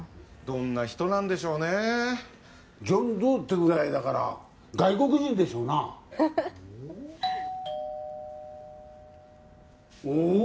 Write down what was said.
どんな人なんでしょうねジョン・ドゥってぐらいだから外国人でしょうなおお？